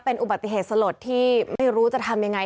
เป็นอุบัติศสลดที่ไม่รู้จะทำอย่างไร